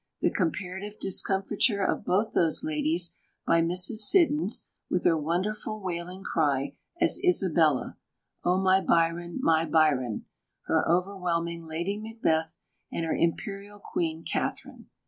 the comparative discomfiture of both those ladies by Mrs. Siddons, with her wonderful, wailing cry, as Isabella, "O, my Biron, my Biron," her overwhelming Lady Macbeth and her imperial Queen Katharine.